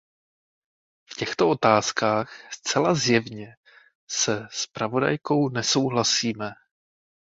V těchto otázkách zcela zjevně se zpravodajkou nesouhlasíme.